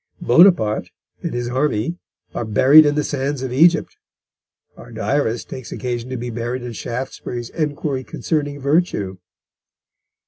Bonaparte and his army are buried in the sands of Egypt; our Diarist takes occasion to be buried in Shaftesbury's Enquiry Concerning Virtue.